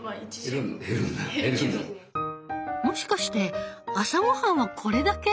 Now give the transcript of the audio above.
もしかして朝ごはんはこれだけ？